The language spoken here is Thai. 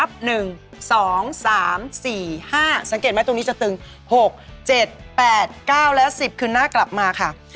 สังเกตไหมตรงนี้จะตึง๖๗๘๙และ๑๐คือหน้ากลับมาค่ะ